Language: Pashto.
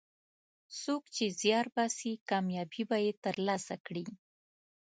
څوک چې زیار باسي، کامیابي به یې ترلاسه کړي.